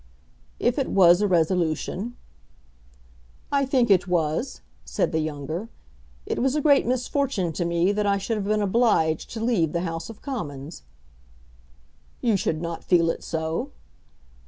"If it was a resolution." "I think it was," said the younger. "It was a great misfortune to me that I should have been obliged to leave the House of Commons." "You should not feel it so."